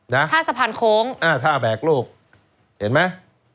ท่าสะพานโค้งอ่าท่าแบกโลกเห็นมั้ย